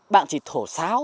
bạn chỉ thổ sáo